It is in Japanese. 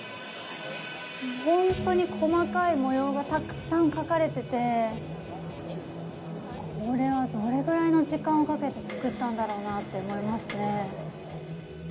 本当に細かい模様がたくさん描かれててこれはどれぐらいの時間をかけて造ったんだろうなと思いますね。